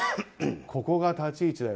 ここが立ち位置だよ